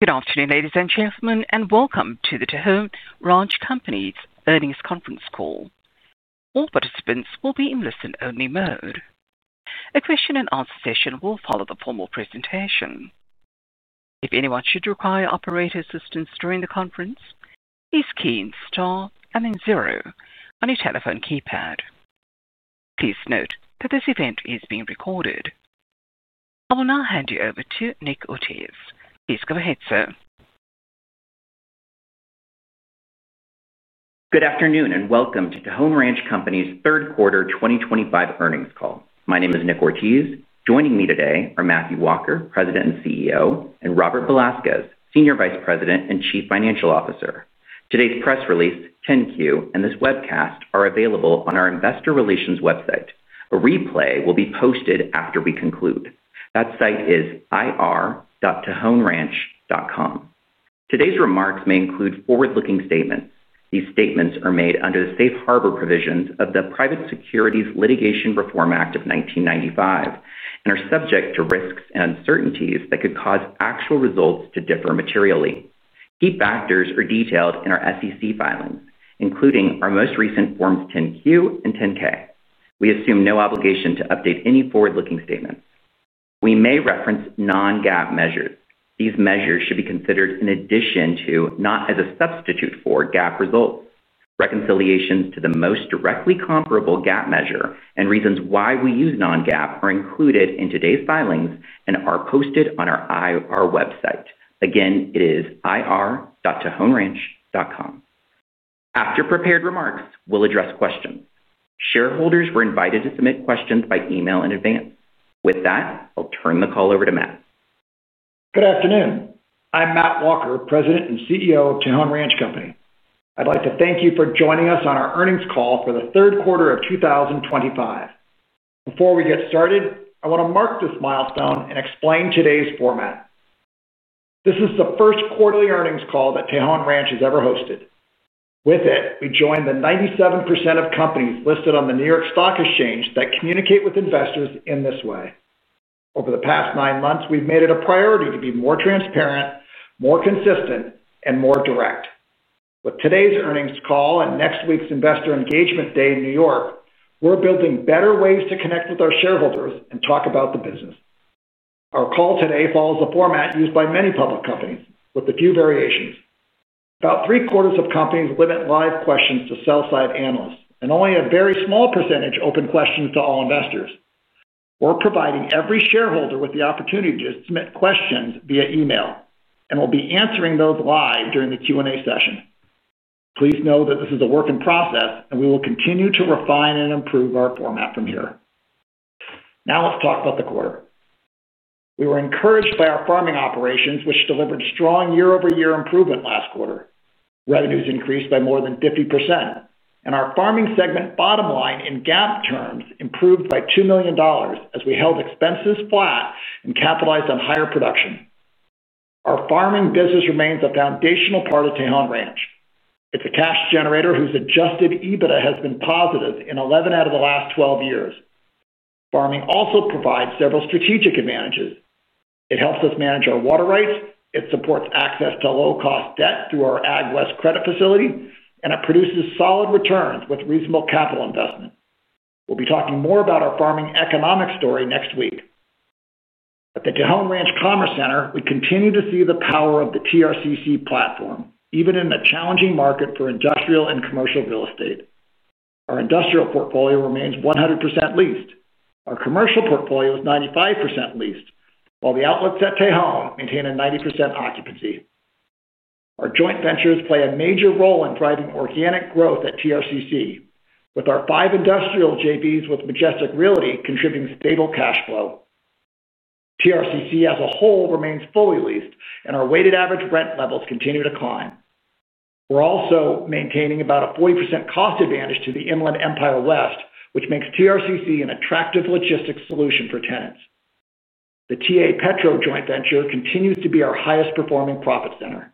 Good afternoon, ladies and gentlemen, and welcome to the Tejon Ranch Company's earnings conference call. All participants will be in listen-only mode. A question-and-answer session will follow the formal presentation. If anyone should require operator assistance during the conference, please key in star and then zero on your telephone keypad. Please note that this event is being recorded. I will now hand you over to Nick Ortiz. Please go ahead, sir. Good afternoon and welcome to Tejon Ranch Company's third quarter 2025 earnings call. My name is Nick Ortiz. Joining me today are Matthew Walker, President and CEO, and Robert Velasquez, Senior Vice President and Chief Financial Officer. Today's press release, 10-Q, and this webcast are available on our investor relations website. A replay will be posted after we conclude. That site is irtejonranch.com. Today's remarks may include forward-looking statements. These statements are made under the safe harbor provisions of the Private Securities Litigation Reform Act of 1995 and are subject to risks and uncertainties that could cause actual results to differ materially. Key factors are detailed in our SEC filings, including our most recent forms 10-Q and 10-K. We assume no obligation to update any forward-looking statements. We may reference non-GAAP measures. These measures should be considered in addition to, not as a substitute for, GAAP results. Reconciliations to the most directly comparable GAAP measure and reasons why we use non-GAAP are included in today's filings and are posted on our IR website. Again, it is irtejonranch.com. After prepared remarks, we'll address questions. Shareholders were invited to submit questions by email in advance. With that, I'll turn the call over to Matt. Good afternoon. I'm Matt Walker, President and CEO of Tejon Ranch Company. I'd like to thank you for joining us on our earnings call for the third quarter of 2025. Before we get started, I want to mark this milestone and explain today's format. This is the first quarterly earnings call that Tejon Ranch has ever hosted. With it, we join the 97% of companies listed on the New York Stock Exchange that communicate with investors in this way. Over the past nine months, we've made it a priority to be more transparent, more consistent, and more direct. With today's earnings call and next week's investor engagement day in New York, we're building better ways to connect with our shareholders and talk about the business. Our call today follows the format used by many public companies, with a few variations. About three-quarters of companies limit live questions to sell-side analysts, and only a very small percentage open questions to all investors. We're providing every shareholder with the opportunity to submit questions via email and will be answering those live during the Q&A session. Please know that this is a work in process, and we will continue to refine and improve our format from here. Now let's talk about the quarter. We were encouraged by our farming operations, which delivered strong year-over-year improvement last quarter. Revenues increased by more than 50%, and our farming segment bottom line in GAAP terms improved by $2 million as we held expenses flat and capitalized on higher production. Our farming business remains a foundational part of Tejon Ranch. It's a cash generator whose adjusted EBITDA has been positive in 11 out of the last 12 years. Farming also provides several strategic advantages. It helps us manage our water rights, it supports access to low-cost debt through our AgWest credit facility, and it produces solid returns with reasonable capital investment. We'll be talking more about our farming economic story next week. At the Tejon Ranch Commerce Center, we continue to see the power of the TRCC platform, even in a challenging market for industrial and commercial real estate. Our industrial portfolio remains 100% leased. Our commercial portfolio is 95% leased, while the Outlets at Tejon maintain a 90% occupancy. Our joint ventures play a major role in driving organic growth at TRCC, with our five industrial JVs with Majestic Realty contributing stable cash flow. TRCC as a whole remains fully leased, and our weighted average rent levels continue to climb. We're also maintaining about a 40% cost advantage to the Inland Empire West, which makes TRCC an attractive logistics solution for tenants. The TA, Petro joint venture continues to be our highest-performing profit center.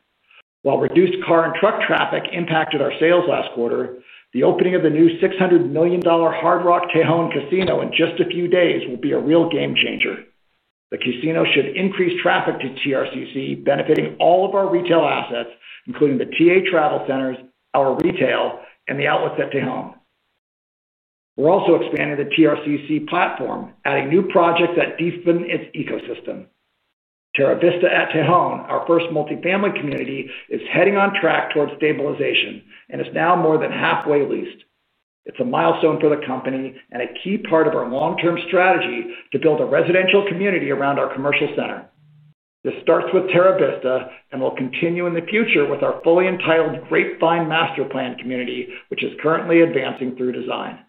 While reduced car and truck traffic impacted our sales last quarter, the opening of the new $600 million Hard Rock Tejon Casino in just a few days will be a real game changer. The casino should increase traffic to TRCC, benefiting all of our retail assets, including the TA travel centers, our retail, and the Outlets at Tejon. We're also expanding the TRCC platform, adding new projects that deepen its ecosystem. Terra Vista at Tejon, our first multifamily community, is heading on track toward stabilization and is now more than halfway leased. It's a milestone for the company and a key part of our long-term strategy to build a residential community around our commercial center. This starts with Terra Vista and will continue in the future with our fully entitled Grapevine Master Plan community, which is currently advancing through design.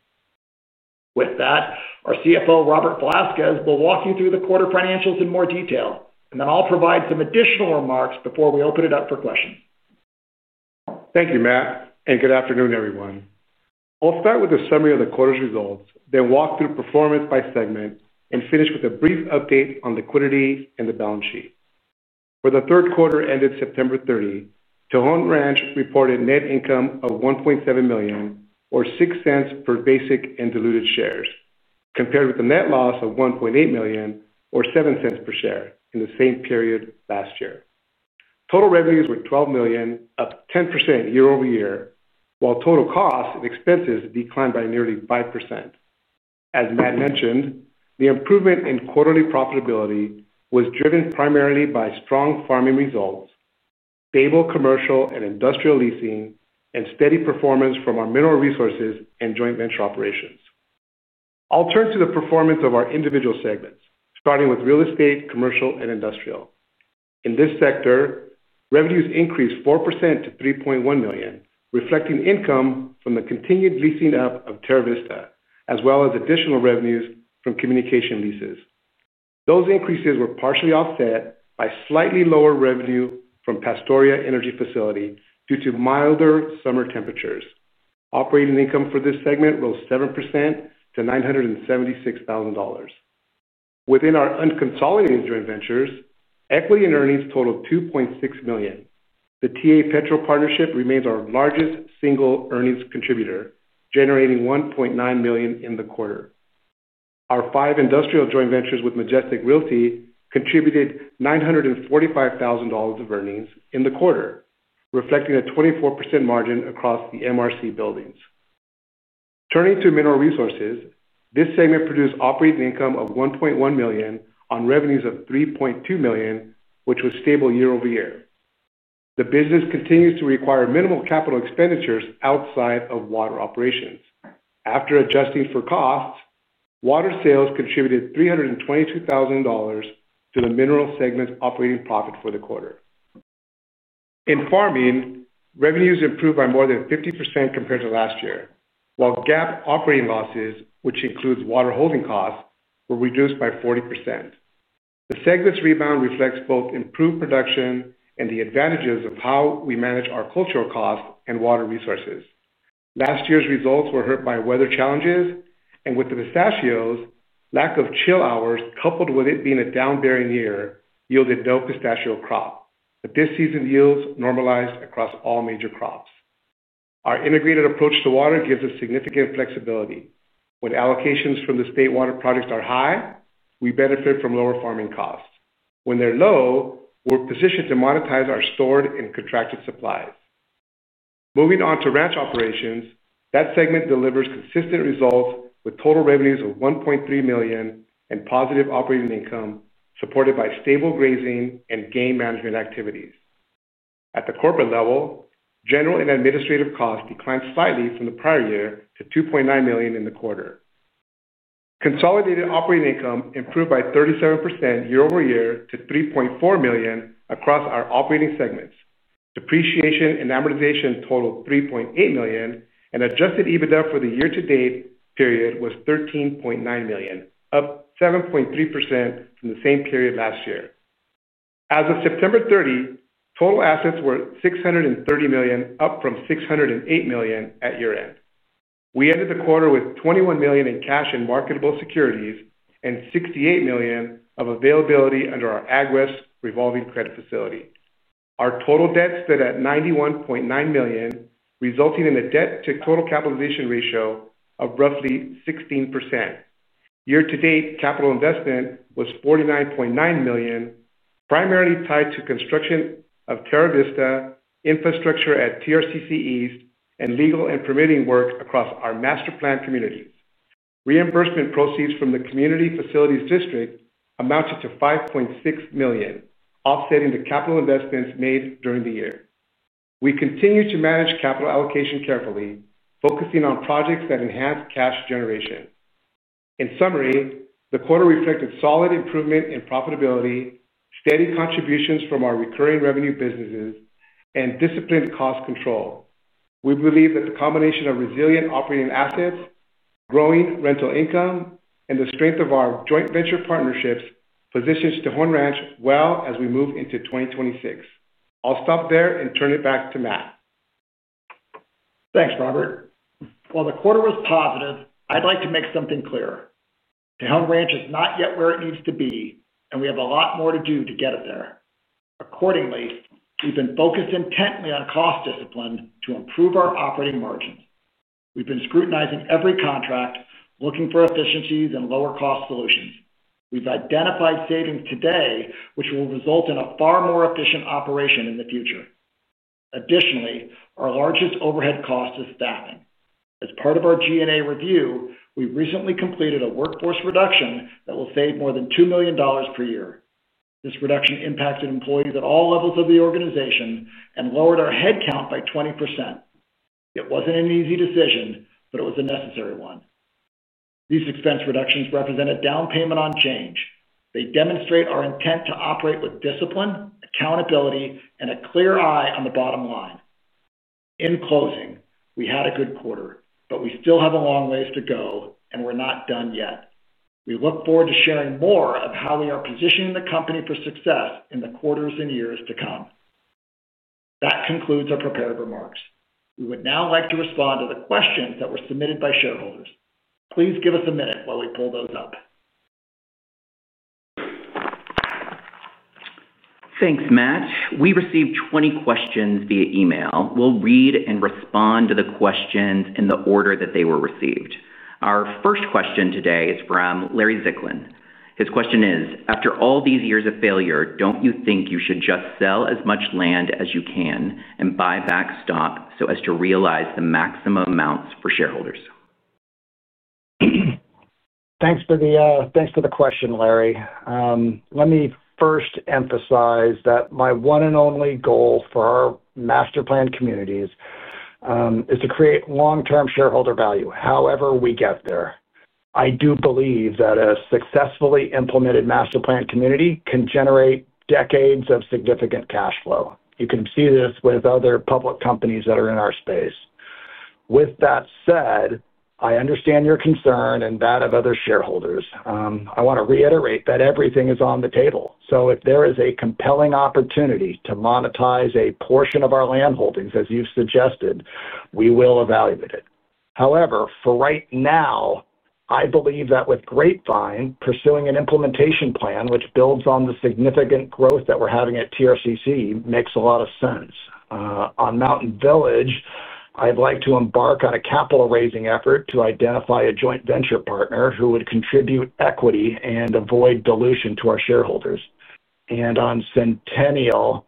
With that, our CFO, Robert Velasquez, will walk you through the quarter financials in more detail, and then I'll provide some additional remarks before we open it up for questions. Thank you, Matt, and good afternoon, everyone. I'll start with a summary of the quarter's results, then walk through performance by segment, and finish with a brief update on liquidity and the balance sheet. For the third quarter ended September 30, Tejon Ranch reported net income of $1.7 million, or $0.06 per basic and diluted shares, compared with a net loss of $1.8 million, or $0.07 per share, in the same period last year. Total revenues were $12 million, up 10% year-over-year, while total costs and expenses declined by nearly 5%. As Matt mentioned, the improvement in quarterly profitability was driven primarily by strong farming results, stable commercial and industrial leasing, and steady performance from our mineral resources and joint venture operations. I'll turn to the performance of our individual segments, starting with real estate, commercial, and industrial. In this sector, revenues increased 4% to $3.1 million, reflecting income from the continued leasing up of Terra Vista, as well as additional revenues from communication leases. Those increases were partially offset by slightly lower revenue from Pastoria Energy Facility due to milder summer temperatures. Operating income for this segment rose 7% to $976,000. Within our unconsolidated joint ventures, equity in earnings totaled $2.6 million. The TA, Petro partnership remains our largest single earnings contributor, generating $1.9 million in the quarter. Our five industrial joint ventures with Majestic Realty contributed $945,000 of earnings in the quarter, reflecting a 24% margin across the MRC buildings. Turning to mineral resources, this segment produced operating income of $1.1 million on revenues of $3.2 million, which was stable year-over-year. The business continues to require minimal capital expenditures outside of water operations. After adjusting for costs, water sales contributed $322,000 to the mineral segment's operating profit for the quarter. In farming, revenues improved by more than 50% compared to last year, while GAAP operating losses, which includes water holding costs, were reduced by 40%. The segment's rebound reflects both improved production and the advantages of how we manage our cultural costs and water resources. Last year's results were hurt by weather challenges, and with the pistachios, lack of chill hours coupled with it being a down-bearing year yielded no pistachio crop, but this season's yields normalized across all major crops. Our integrated approach to water gives us significant flexibility. When allocations from the state water projects are high, we benefit from lower farming costs. When they're low, we're positioned to monetize our stored and contracted supplies. Moving on to ranch operations, that segment delivers consistent results with total revenues of $1.3 million and positive operating income supported by stable grazing and game management activities. At the corporate level, general and administrative costs declined slightly from the prior year to $2.9 million in the quarter. Consolidated operating income improved by 37% year-over-year to $3.4 million across our operating segments. Depreciation and amortization totaled $3.8 million, and adjusted EBITDA for the year-to-date period was $13.9 million, up 7.3% from the same period last year. As of September 30, total assets were $630 million, up from $608 million at year-end. We ended the quarter with $21 million in cash and marketable securities and $68 million of availability under our AgWest revolving credit facility. Our total debt stood at $91.9 million, resulting in a debt-to-total capitalization ratio of roughly 16%. Year-to-date capital investment was $49.9 million, primarily tied to construction of Terra Vista, infrastructure at TRCC East, and legal and permitting work across our master plan communities. Reimbursement proceeds from the community facilities district amounted to $5.6 million, offsetting the capital investments made during the year. We continue to manage capital allocation carefully, focusing on projects that enhance cash generation. In summary, the quarter reflected solid improvement in profitability, steady contributions from our recurring revenue businesses, and disciplined cost control. We believe that the combination of resilient operating assets, growing rental income, and the strength of our joint venture partnerships positions Tejon Ranch well as we move into 2026. I'll stop there and turn it back to Matt. Thanks, Robert. While the quarter was positive, I'd like to make something clear. Tejon Ranch is not yet where it needs to be, and we have a lot more to do to get it there. Accordingly, we've been focused intently on cost discipline to improve our operating margins. We've been scrutinizing every contract, looking for efficiencies and lower-cost solutions. We've identified savings today, which will result in a far more efficient operation in the future. Additionally, our largest overhead cost is staffing. As part of our G&A review, we recently completed a workforce reduction that will save more than $2 million per year. This reduction impacted employees at all levels of the organization and lowered our headcount by 20%. It wasn't an easy decision, but it was a necessary one. These expense reductions represent a down payment on change. They demonstrate our intent to operate with discipline, accountability, and a clear eye on the bottom line. In closing, we had a good quarter, but we still have a long way to go, and we're not done yet. We look forward to sharing more of how we are positioning the company for success in the quarters and years to come. That concludes our prepared remarks. We would now like to respond to the questions that were submitted by shareholders. Please give us a minute while we pull those up. Thanks, Matt. We received 20 questions via email. We'll read and respond to the questions in the order that they were received. Our first question today is from Larry Zicklin. His question is, "After all these years of failure, don't you think you should just sell as much land as you can and buy back stock so as to realize the maximum amounts for shareholders? Thanks for the question, Larry. Let me first emphasize that my one and only goal for our master plan communities is to create long-term shareholder value, however we get there. I do believe that a successfully implemented master plan community can generate decades of significant cash flow. You can see this with other public companies that are in our space. With that said, I understand your concern and that of other shareholders. I want to reiterate that everything is on the table. If there is a compelling opportunity to monetize a portion of our land holdings, as you've suggested, we will evaluate it. However, for right now, I believe that with Grapevine, pursuing an implementation plan which builds on the significant growth that we're having at TRCC makes a lot of sense. On Mountain Village, I'd like to embark on a capital raising effort to identify a joint venture partner who would contribute equity and avoid dilution to our shareholders. On Centennial,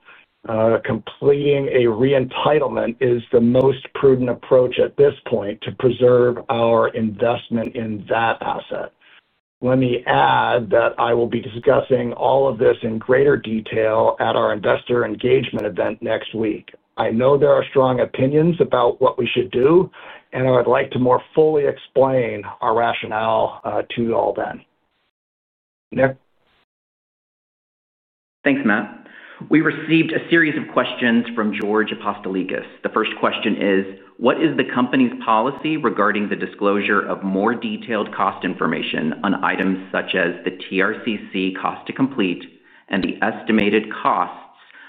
completing a re-entitlement is the most prudent approach at this point to preserve our investment in that asset. Let me add that I will be discussing all of this in greater detail at our investor engagement event next week. I know there are strong opinions about what we should do, and I would like to more fully explain our rationale to you all then. Thanks, Matt. We received a series of questions from George Apostolakis. The first question is, "What is the company's policy regarding the disclosure of more detailed cost information on items such as the TRCC cost to complete and the estimated costs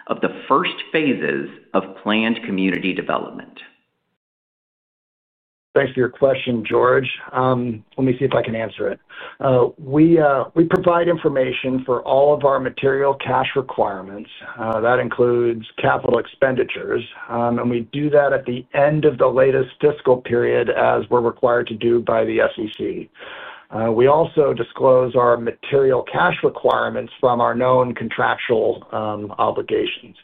of the first phases of planned community development? Thanks for your question, George. Let me see if I can answer it. We provide information for all of our material cash requirements. That includes capital expenditures, and we do that at the end of the latest fiscal period, as we're required to do by the SEC. We also disclose our material cash requirements from our known contractual obligations.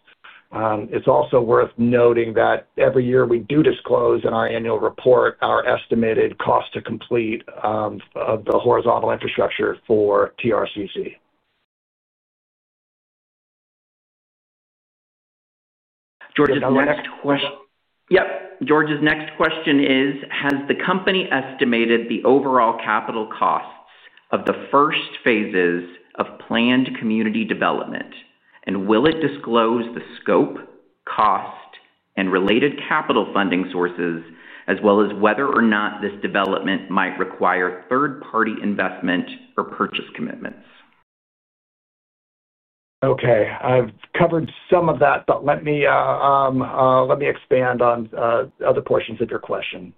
It's also worth noting that every year we do disclose in our annual report our estimated cost to complete of the horizontal infrastructure for TRCC. George's next question. Yep. George's next question is, "Has the company estimated the overall capital costs of the first phases of planned community development, and will it disclose the scope, cost, and related capital funding sources, as well as whether or not this development might require third-party investment or purchase commitments? Okay. I've covered some of that, but let me expand on other portions of your question.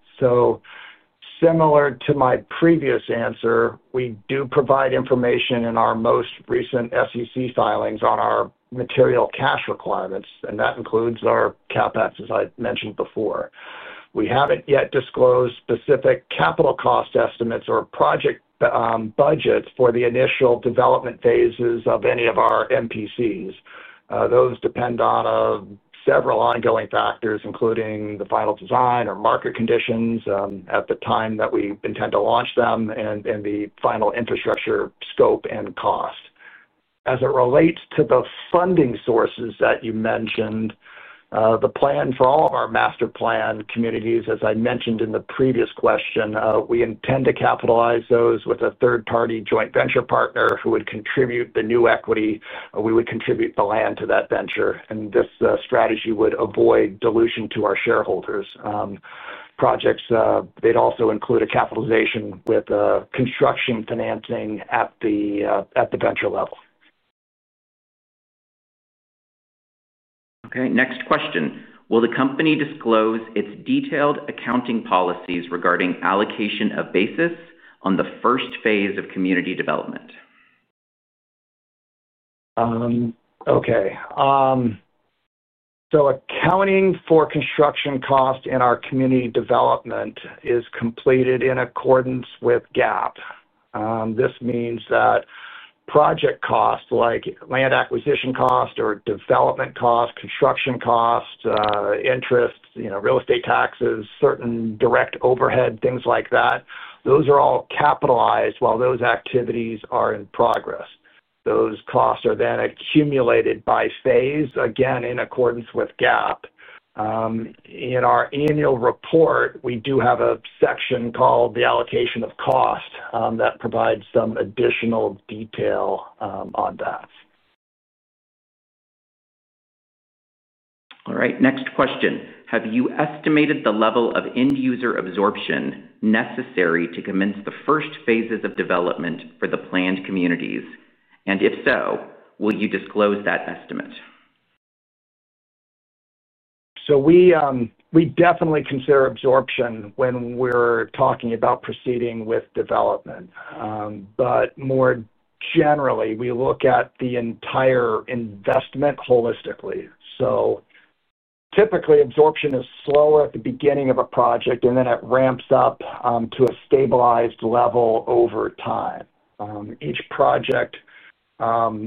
Similar to my previous answer, we do provide information in our most recent SEC filings on our material cash requirements, and that includes our CapEx, as I mentioned before. We haven't yet disclosed specific capital cost estimates or project budgets for the initial development phases of any of our MPCs. Those depend on several ongoing factors, including the final design or market conditions at the time that we intend to launch them and the final infrastructure scope and cost. As it relates to the funding sources that you mentioned, the plan for all of our master plan communities, as I mentioned in the previous question, we intend to capitalize those with a third-party joint venture partner who would contribute the new equity or we would contribute the land to that venture. This strategy would avoid dilution to our shareholders. Projects, they'd also include a capitalization with construction financing at the venture level. Okay. Next question. "Will the company disclose its detailed accounting policies regarding allocation of basis on the first phase of community development? Okay. So accounting for construction costs in our community development is completed in accordance with GAAP. This means that project costs like land acquisition costs or development costs, construction costs, interest, real estate taxes, certain direct overhead, things like that, those are all capitalized while those activities are in progress. Those costs are then accumulated by phase, again, in accordance with GAAP. In our annual report, we do have a section called the allocation of cost that provides some additional detail on that. All right. Next question. "Have you estimated the level of end-user absorption necessary to commence the first phases of development for the planned communities? If so, will you disclose that estimate? We definitely consider absorption when we're talking about proceeding with development. More generally, we look at the entire investment holistically. Typically, absorption is slower at the beginning of a project, and then it ramps up to a stabilized level over time. Each project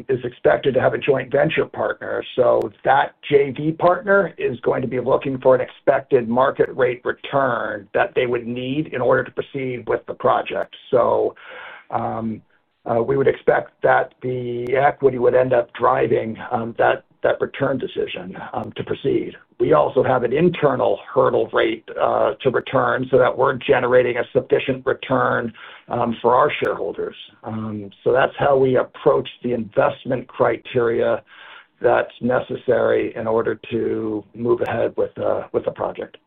is expected to have a joint venture partner. That JV partner is going to be looking for an expected market rate return that they would need in order to proceed with the project. We would expect that the equity would end up driving that return decision to proceed. We also have an internal hurdle rate to return so that we're generating a sufficient return for our shareholders. That's how we approach the investment criteria that's necessary in order to move ahead with the project.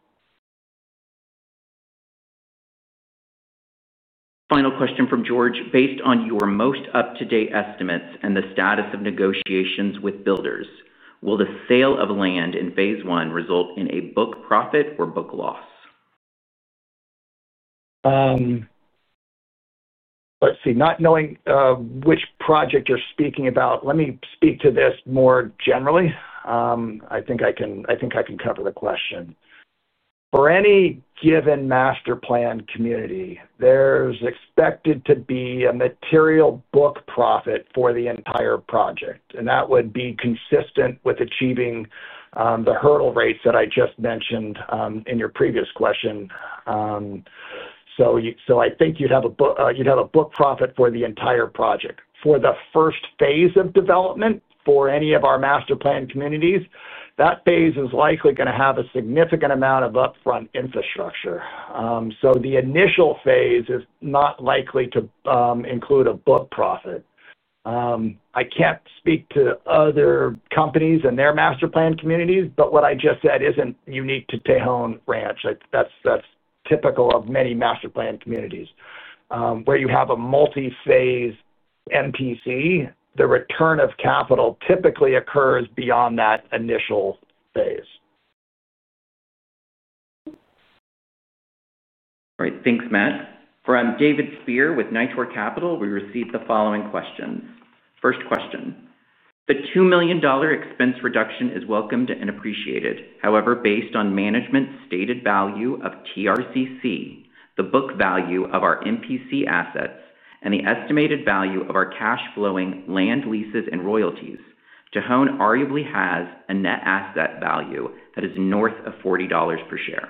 Final question from George. "Based on your most up-to-date estimates and the status of negotiations with builders, will the sale of land in phase one result in a book profit or book loss? Let's see. Not knowing which project you're speaking about, let me speak to this more generally. I think I can cover the question. For any given master plan community, there's expected to be a material book profit for the entire project. That would be consistent with achieving the hurdle rates that I just mentioned in your previous question. I think you'd have a book profit for the entire project. For the first phase of development for any of our master plan communities, that phase is likely going to have a significant amount of upfront infrastructure. The initial phase is not likely to include a book profit. I can't speak to other companies and their master plan communities, but what I just said isn't unique to Tejon Ranch. That's typical of many master plan communities. Where you have a multi-phase MPC, the return of capital typically occurs beyond that initial phase. All right. Thanks, Matt. From David Spier with Nitor Capital, we received the following questions. First question. "The $2 million expense reduction is welcomed and appreciated. However, based on management's stated value of TRCC, the book value of our MPC assets, and the estimated value of our cash-flowing land leases and royalties, Tejon arguably has a net asset value that is north of $40 per share.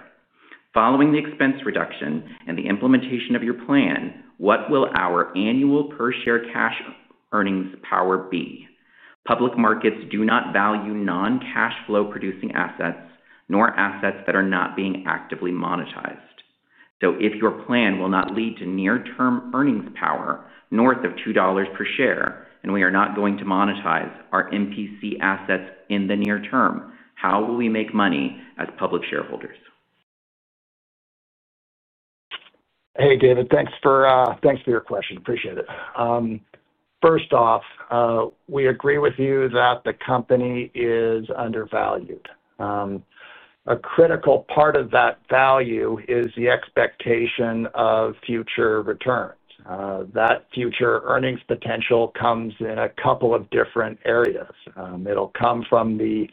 Following the expense reduction and the implementation of your plan, what will our annual per-share cash earnings power be? Public markets do not value non-cash-flow producing assets nor assets that are not being actively monetized. If your plan will not lead to near-term earnings power north of $2 per share and we are not going to monetize our MPC assets in the near term, how will we make money as public shareholders? Hey, David. Thanks for your question. Appreciate it. First off, we agree with you that the company is undervalued. A critical part of that value is the expectation of future returns. That future earnings potential comes in a couple of different areas. It'll come from the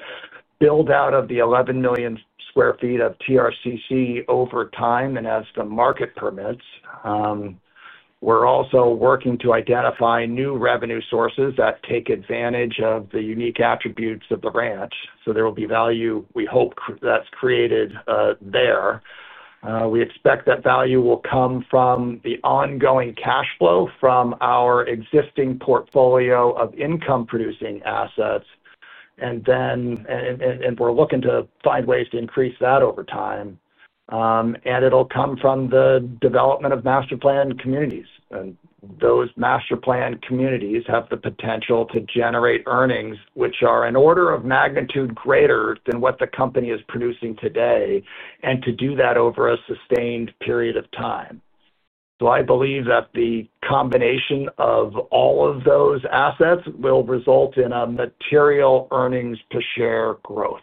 build-out of the 11 million sq ft of TRCC over time and as the market permits. We're also working to identify new revenue sources that take advantage of the unique attributes of the ranch. There will be value, we hope, that's created there. We expect that value will come from the ongoing cash flow from our existing portfolio of income-producing assets. We're looking to find ways to increase that over time. It'll come from the development of master plan communities. Those master plan communities have the potential to generate earnings which are an order of magnitude greater than what the company is producing today and to do that over a sustained period of time. I believe that the combination of all of those assets will result in a material earnings per share growth.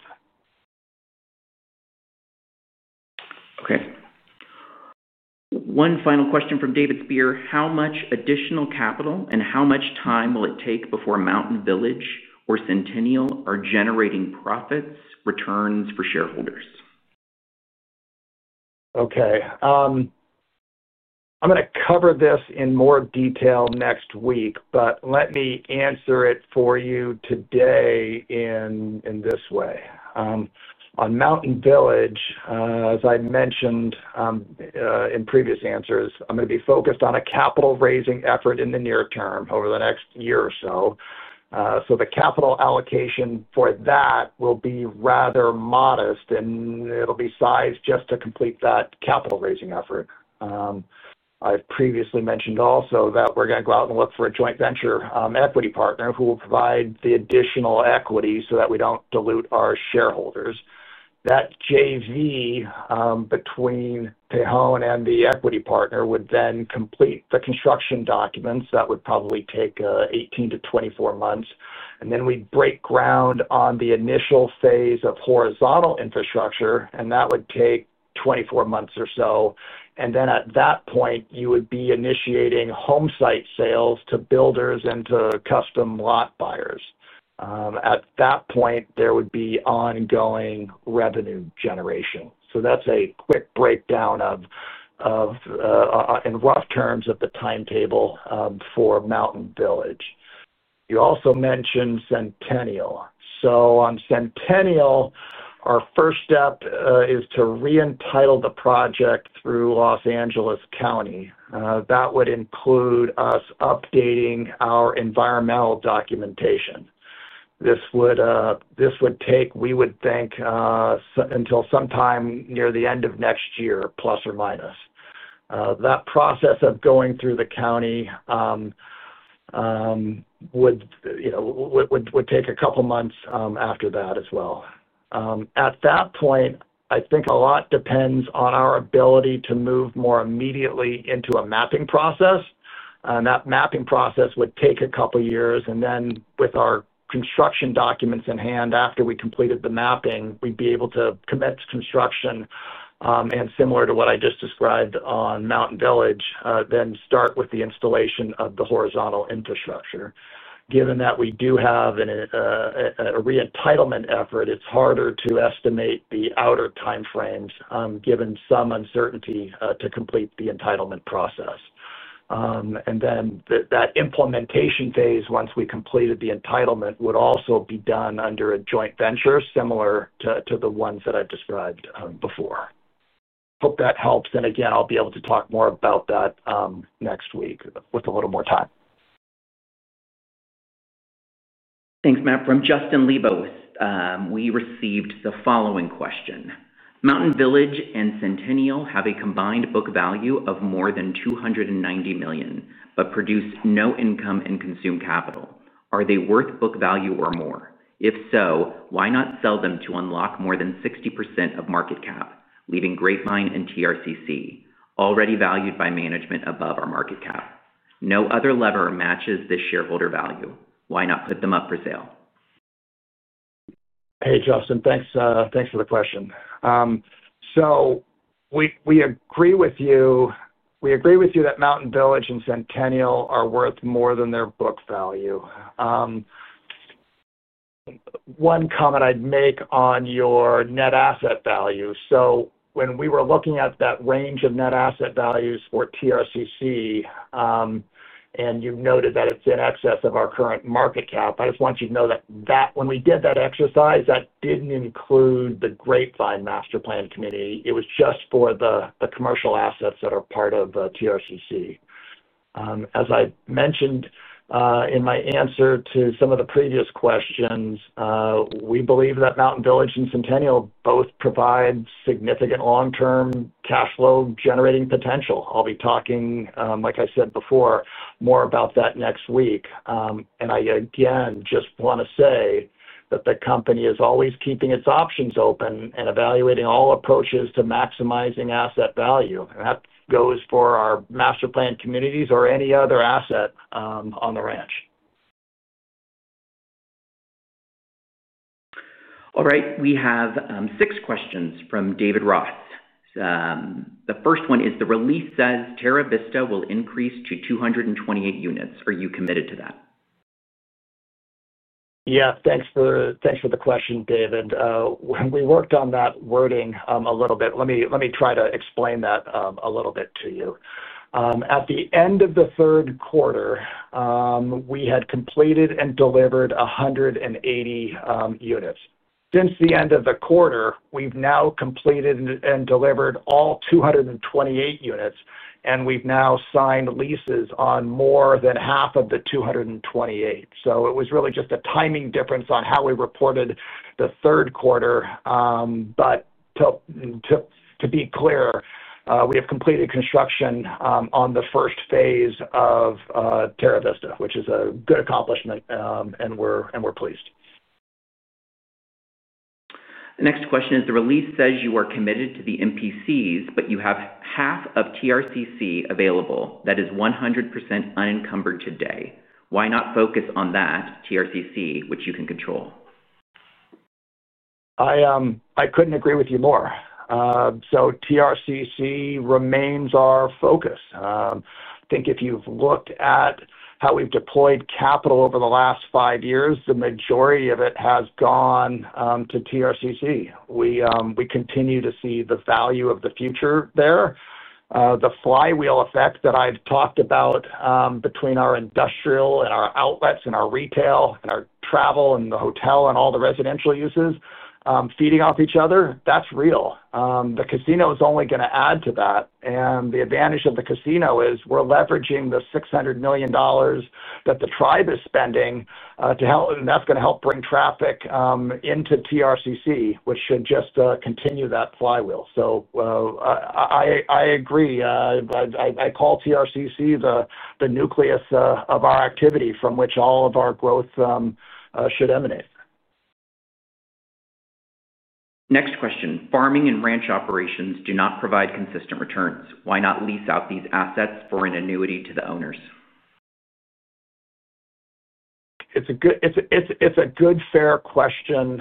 Okay. One final question from David Spier. "How much additional capital and how much time will it take before Mountain Village or Centennial are generating profits, returns for shareholders? Okay. I'm going to cover this in more detail next week, but let me answer it for you today in this way. On Mountain Village, as I mentioned in previous answers, I'm going to be focused on a capital-raising effort in the near term over the next year or so. The capital allocation for that will be rather modest, and it'll be sized just to complete that capital-raising effort. I've previously mentioned also that we're going to go out and look for a joint venture equity partner who will provide the additional equity so that we don't dilute our shareholders. That JV between Tejon and the equity partner would then complete the construction documents. That would probably take 18 to 24 months. We would break ground on the initial phase of horizontal infrastructure, and that would take 24 months or so. At that point, you would be initiating home site sales to builders and to custom lot buyers. At that point, there would be ongoing revenue generation. That's a quick breakdown, in rough terms, of the timetable for Mountain Village. You also mentioned Centennial. On Centennial, our first step is to re-entitle the project through Los Angeles County. That would include us updating our environmental documentation. This would take, we would think, until sometime near the end of next year, plus or minus. That process of going through the county would take a couple of months after that as well. At that point, I think a lot depends on our ability to move more immediately into a mapping process. That mapping process would take a couple of years. With our construction documents in hand after we completed the mapping, we would be able to commence construction. Similar to what I just described on Mountain Village, we would then start with the installation of the horizontal infrastructure. Given that we do have a re-entitlement effort, it is harder to estimate the outer timeframes, given some uncertainty to complete the entitlement process. That implementation phase, once we completed the entitlement, would also be done under a joint venture similar to the ones that I have described before. Hope that helps. I will be able to talk more about that next week with a little more time. Thanks, Matt. From Justin Libos, we received the following question. "Mountain Village and Centennial have a combined book value of more than $290 million, but produce no income and consume capital. Are they worth book value or more? If so, why not sell them to unlock more than 60% of market cap, leaving Grapevine and TRCC, already valued by management above our market cap? No other lever matches this shareholder value. Why not put them up for sale? Hey, Justin. Thanks for the question. We agree with you. We agree with you that Mountain Village and Centennial are worth more than their book value. One comment I'd make on your net asset value. When we were looking at that range of net asset values for TRCC, and you noted that it's in excess of our current market cap, I just want you to know that when we did that exercise, that didn't include the Grapevine master plan community. It was just for the commercial assets that are part of TRCC. As I mentioned in my answer to some of the previous questions, we believe that Mountain Village and Centennial both provide significant long-term cash flow generating potential. I'll be talking, like I said before, more about that next week. I, again, just want to say that the company is always keeping its options open and evaluating all approaches to maximizing asset value. That goes for our master plan communities or any other asset on the ranch. All right. We have six questions from David Roth. The first one is, "The release says Terra Vista will increase to 228 units. Are you committed to that? Yeah. Thanks for the question, David. We worked on that wording a little bit. Let me try to explain that a little bit to you. At the end of the third quarter, we had completed and delivered 180 units. Since the end of the quarter, we've now completed and delivered all 228 units, and we've now signed leases on more than half of the 228. It was really just a timing difference on how we reported the third quarter. To be clear, we have completed construction on the first phase of Terra Vista, which is a good accomplishment, and we're pleased. Next question is, "The release says you are committed to the MPCs, but you have half of TRCC available that is 100% unencumbered today. Why not focus on that TRCC, which you can control? I could not agree with you more. TRCC remains our focus. I think if you have looked at how we have deployed capital over the last five years, the majority of it has gone to TRCC. We continue to see the value of the future there. The flywheel effect that I have talked about. Between our industrial and our outlets and our retail and our travel and the hotel and all the residential uses feeding off each other, that is real. The casino is only going to add to that. The advantage of the casino is we are leveraging the $600 million that the tribe is spending, and that is going to help bring traffic into TRCC, which should just continue that flywheel. I agree. I call TRCC the nucleus of our activity from which all of our growth should emanate. Next question. "Farming and ranch operations do not provide consistent returns. Why not lease out these assets for an annuity to the owners? It's a good, fair question.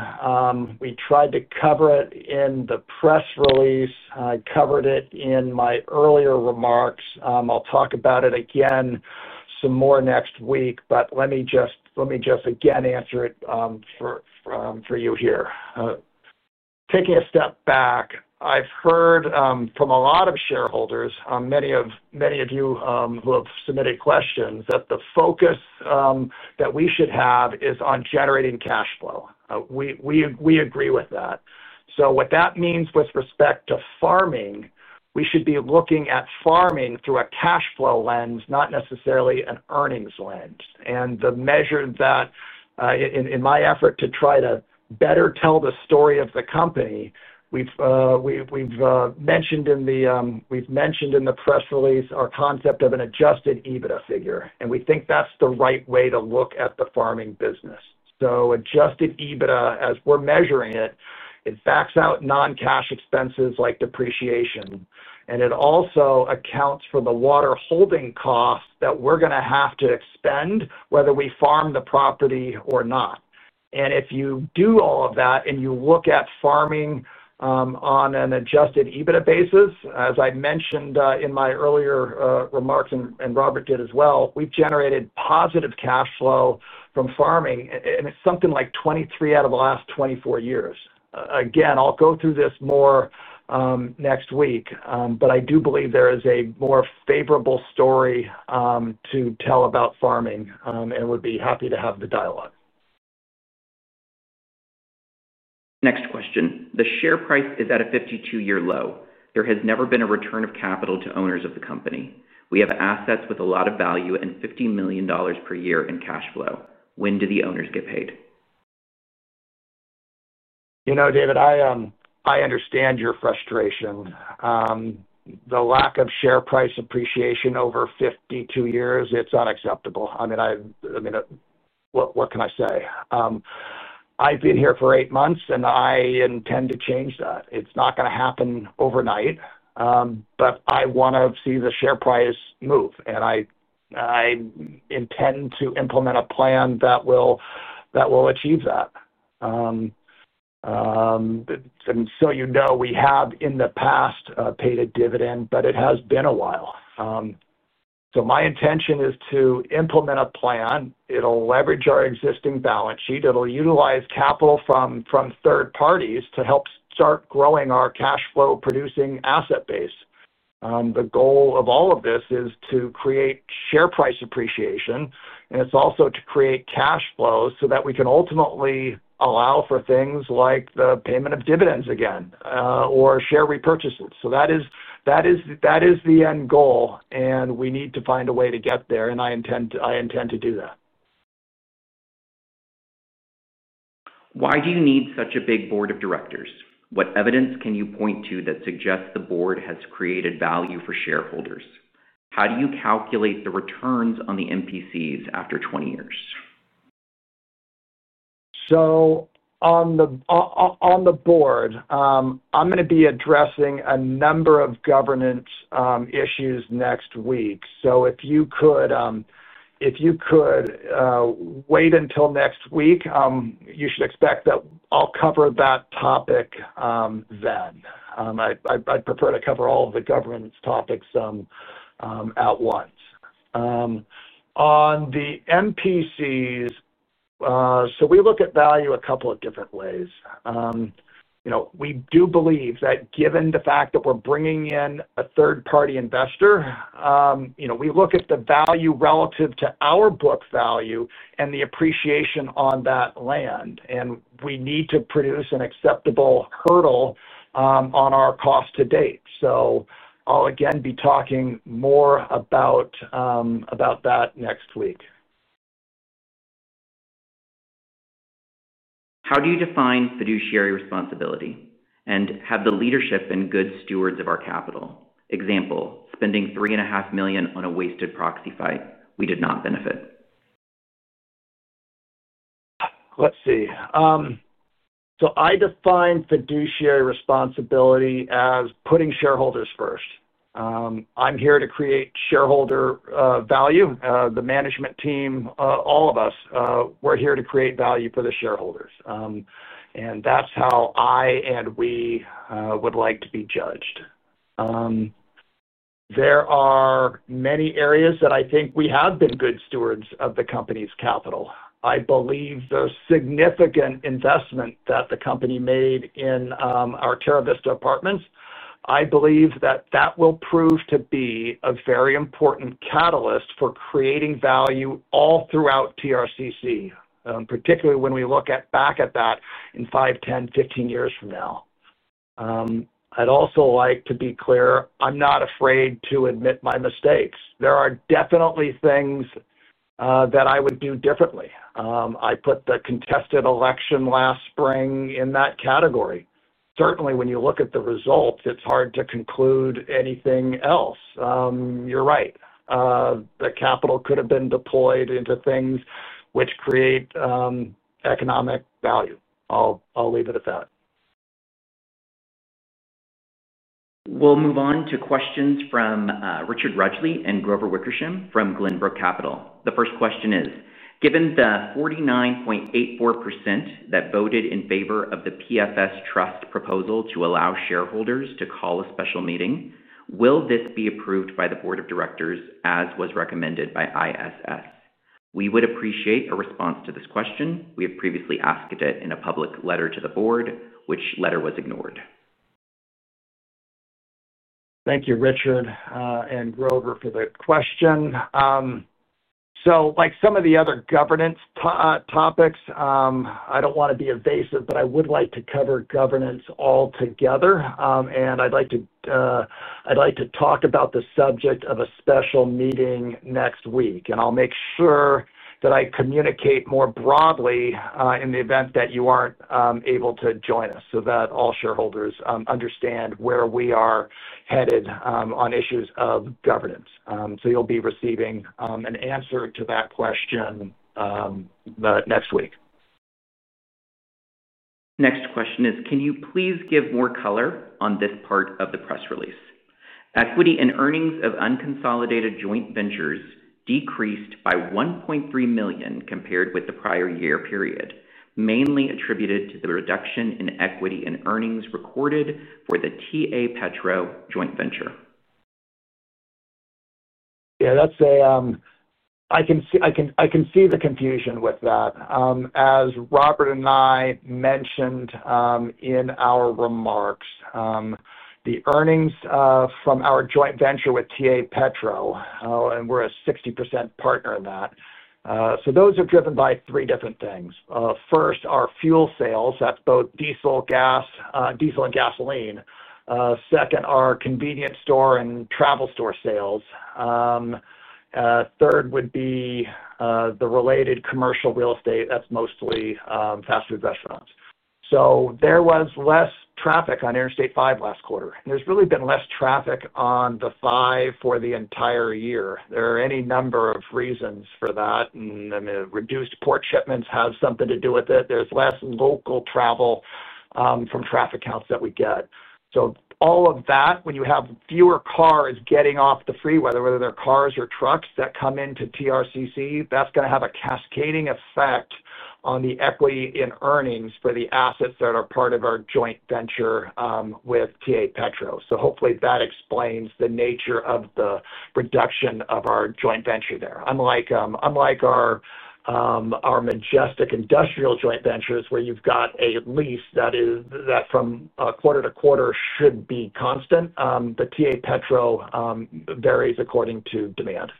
We tried to cover it in the press release. I covered it in my earlier remarks. I'll talk about it again some more next week, but let me just, again, answer it for you here. Taking a step back, I've heard from a lot of shareholders, many of you who have submitted questions, that the focus that we should have is on generating cash flow. We agree with that. What that means with respect to farming, we should be looking at farming through a cash flow lens, not necessarily an earnings lens. The measure that, in my effort to try to better tell the story of the company, we've mentioned in the press release is our concept of an adjusted EBITDA figure. We think that's the right way to look at the farming business. Adjusted EBITDA, as we're measuring it, backs out non-cash expenses like depreciation. It also accounts for the water holding costs that we're going to have to expend, whether we farm the property or not. If you do all of that and you look at farming on an adjusted EBITDA basis, as I mentioned in my earlier remarks and Robert did as well, we've generated positive cash flow from farming in something like 23 out of the last 24 years. Again, I'll go through this more next week, but I do believe there is a more favorable story to tell about farming and would be happy to have the dialogue. Next question. "The share price is at a 52-year low. There has never been a return of capital to owners of the company. We have assets with a lot of value and $50 million per year in cash flow. When do the owners get paid? David, I understand your frustration. The lack of share price appreciation over 52 years, it's unacceptable. I mean, what can I say? I've been here for eight months, and I intend to change that. It's not going to happen overnight. I want to see the share price move. I intend to implement a plan that will achieve that. You know we have, in the past, paid a dividend, but it has been a while. My intention is to implement a plan. It'll leverage our existing balance sheet. It'll utilize capital from third parties to help start growing our cash flow-producing asset base. The goal of all of this is to create share price appreciation, and it's also to create cash flow so that we can ultimately allow for things like the payment of dividends again or share repurchases. That is. The end goal, and we need to find a way to get there, and I intend to do that. Why do you need such a big board of directors? What evidence can you point to that suggests the board has created value for shareholders? How do you calculate the returns on the MPCs after 20 years? On the board, I'm going to be addressing a number of governance issues next week. If you could wait until next week, you should expect that I'll cover that topic then. I'd prefer to cover all of the governance topics at once. On the MPCs, we look at value a couple of different ways. We do believe that given the fact that we're bringing in a third-party investor, we look at the value relative to our book value and the appreciation on that land. We need to produce an acceptable hurdle on our cost to date. I'll, again, be talking more about that next week. How do you define fiduciary responsibility? Have the leadership been good stewards of our capital? Example, spending $3.5 million on a wasted proxy fight. We did not benefit. Let's see. I define fiduciary responsibility as putting shareholders first. I'm here to create shareholder value. The management team, all of us, we're here to create value for the shareholders. That's how I and we would like to be judged. There are many areas that I think we have been good stewards of the company's capital. I believe the significant investment that the company made in our Terra Vista Apartments, I believe that that will prove to be a very important catalyst for creating value all throughout TRCC, particularly when we look back at that in 5, 10, 15 years from now. I'd also like to be clear, I'm not afraid to admit my mistakes. There are definitely things that I would do differently. I put the contested election last spring in that category. Certainly, when you look at the results, it's hard to conclude anything else. You're right. The capital could have been deployed into things which create economic value. I'll leave it at that. We'll move on to questions from Richard Rudgley and Grover Wickersham from Glenbrook Capital. The first question is, "Given the 49.84% that voted in favor of the PFS Trust proposal to allow shareholders to call a special meeting, will this be approved by the board of directors as was recommended by ISS? We would appreciate a response to this question. We have previously asked it in a public letter to the board, which letter was ignored? Thank you, Richard and Grover, for the question. Like some of the other governance topics, I do not want to be evasive, but I would like to cover governance altogether. I would like to talk about the subject of a special meeting next week. I will make sure that I communicate more broadly in the event that you are not able to join us, so that all shareholders understand where we are headed on issues of governance. You will be receiving an answer to that question next week. Next question is, "Can you please give more color on this part of the press release? Equity and earnings of unconsolidated joint ventures decreased by $1.3 million compared with the prior year period, mainly attributed to the reduction in equity and earnings recorded for the TA, Petro joint venture. Yeah. I can see the confusion with that. As Robert and I mentioned in our remarks. The earnings from our joint venture with TA, Petro, and we're a 60% partner in that. Those are driven by three different things. First, our fuel sales. That's both diesel and gasoline. Second, our convenience store and travel store sales. Third would be the related commercial real estate. That's mostly fast food restaurants. There was less traffic on Interstate 5 last quarter. There's really been less traffic on the 5 for the entire year. There are any number of reasons for that. Reduced port shipments have something to do with it. There's less local travel from traffic counts that we get. All of that, when you have fewer cars getting off the freeway, whether they're cars or trucks that come into TRCC, that's going to have a cascading effect on the equity and earnings for the assets that are part of our joint venture with TA, Petro. Hopefully, that explains the nature of the reduction of our joint venture there. Unlike our Majestic industrial joint ventures where you've got a lease that from quarter to quarter should be constant, the TA, Petro varies according to demand.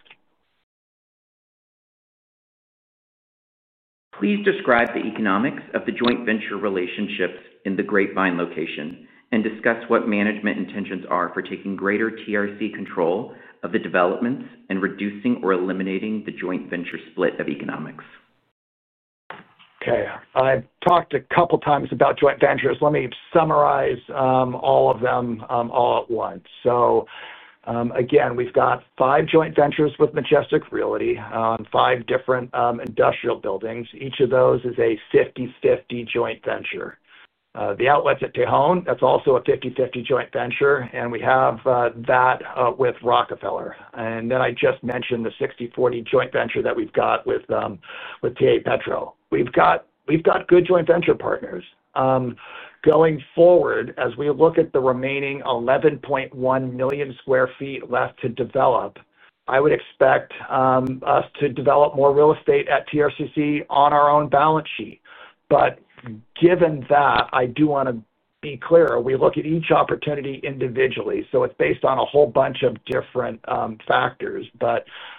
Please describe the economics of the joint venture relationships in the Grapevine location and discuss what management intentions are for taking greater TRC control of the developments and reducing or eliminating the joint venture split of economics. Okay. I've talked a couple of times about joint ventures. Let me summarize all of them all at once. Again, we've got five joint ventures with Majestic Realty on five different industrial buildings. Each of those is a 50/50 joint venture. The Outlets at Tejon, that's also a 50/50 joint venture. We have that with Rockefeller. I just mentioned the 60/40 joint venture that we've got with TA, Petro. We've got good joint venture partners. Going forward, as we look at the remaining 11.1 million sq ft left to develop, I would expect us to develop more real estate at TRCC on our own balance sheet. Given that, I do want to be clear, we look at each opportunity individually. It's based on a whole bunch of different factors.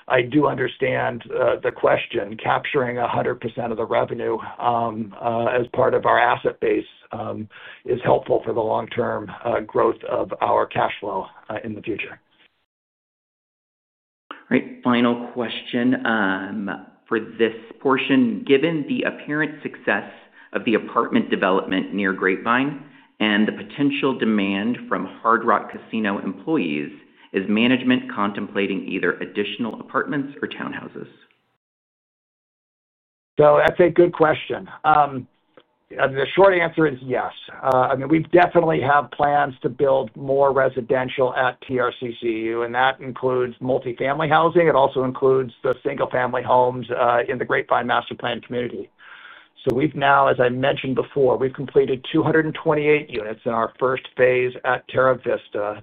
I do understand the question. Capturing 100% of the revenue. As part of our asset base is helpful for the long-term growth of our cash flow in the future. All right. Final question. For this portion, "Given the apparent success of the apartment development near Grapevine and the potential demand from Hard Rock Casino employees, is management contemplating either additional apartments or townhouses? That's a good question. The short answer is yes. I mean, we definitely have plans to build more residential at TRCC, and that includes multifamily housing. It also includes the single-family homes in the Grapevine Master Plan Community. We've now, as I mentioned before, completed 228 units in our first phase at Terra Vista.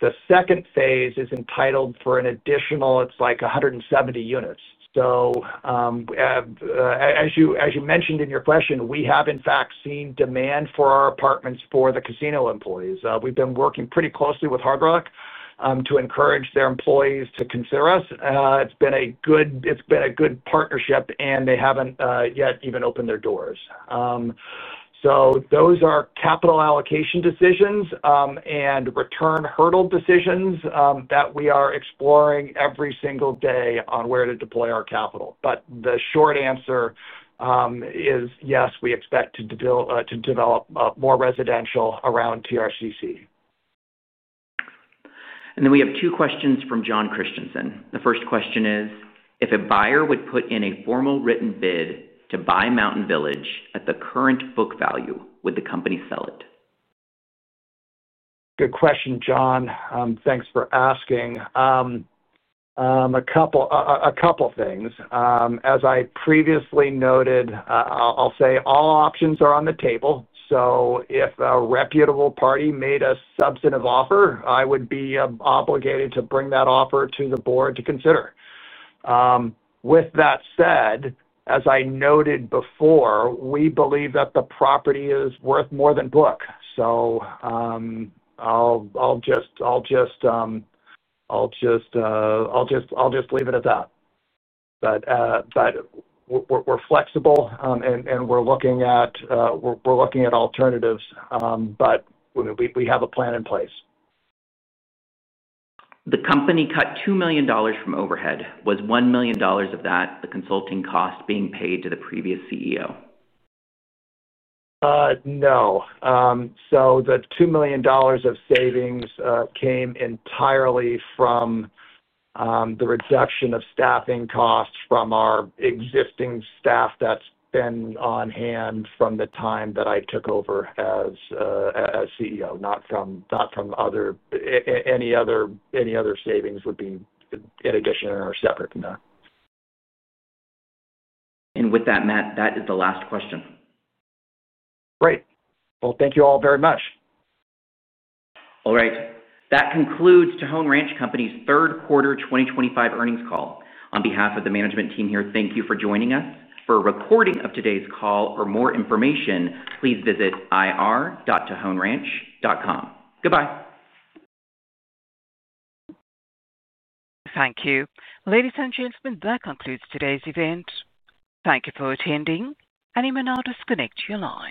The second phase is entitled for an additional, it's like 170 units. As you mentioned in your question, we have, in fact, seen demand for our apartments for the casino employees. We've been working pretty closely with Hard Rock to encourage their employees to consider us. It's been a good partnership, and they haven't yet even opened their doors. Those are capital allocation decisions and return hurdle decisions that we are exploring every single day on where to deploy our capital. The short answer. Yes, we expect to develop more residential around TRCC. We have two questions from John Christensen. The first question is, "If a buyer would put in a formal written bid to buy Mountain Village at the current book value, would the company sell it? Good question, John. Thanks for asking. A couple of things. As I previously noted, I'll say all options are on the table. If a reputable party made a substantive offer, I would be obligated to bring that offer to the board to consider. With that said, as I noted before, we believe that the property is worth more than book. I'll just leave it at that. We're flexible, and we're looking at alternatives. We have a plan in place. The company cut $2 million from overhead. Was $1 million of that the consulting cost being paid to the previous CEO? No. So the $2 million of savings came entirely from the reduction of staffing costs from our existing staff that's been on hand from the time that I took over as CEO, not from any other. Savings would be in addition or separate from that. With that, Matt, that is the last question. Great. Thank you all very much. All right. That concludes Tejon Ranch Company's third quarter 2025 earnings call. On behalf of the management team here, thank you for joining us. For a recording of today's call or more information, please visit ir.tejonranch.com. Goodbye. Thank you. Ladies and gentlemen, that concludes today's event. Thank you for attending, and you may now disconnect your line.